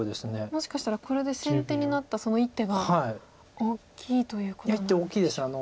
もしかしたらこれで先手になったその一手が大きいということなんでしょうか。